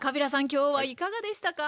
今日はいかがでしたか？